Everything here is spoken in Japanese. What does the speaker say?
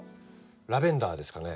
ラベンダーですかね？